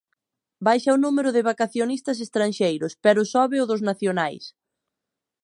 Baixa o número de vacacionistas estranxeiros, pero sobe o dos nacionais.